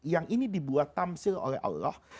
yang ini dibuat tamsil oleh allah